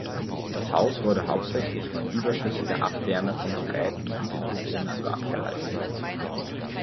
Das Haus wurde hauptsächlich von überschüssiger Abwärme von Geräten und den Bewohnern warm gehalten.